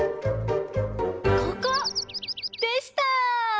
ここ！でした。